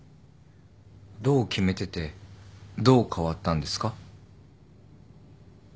どう決めててどう変わったんですか？